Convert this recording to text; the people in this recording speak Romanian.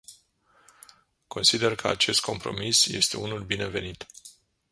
Consider că acest compromis este unul binevenit.